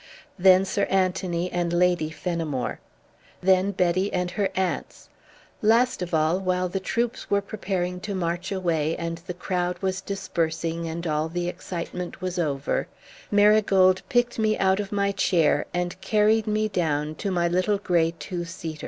Then Sir Anthony and Lady Fenimore. Then Betty and her aunts. Last of all, while the troops were preparing to march away and the crowd was dispersing and all the excitement was over, Marigold picked me out of my chair and carried me down to my little grey two seater.